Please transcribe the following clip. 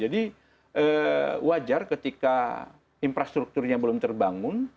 jadi wajar ketika infrastrukturnya belum terbangun